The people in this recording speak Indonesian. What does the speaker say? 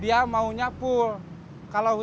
hijau untuk beli while